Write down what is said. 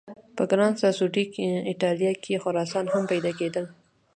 په ګران ساسو ډي ایټالیا کې خرسان هم پیدا کېدل.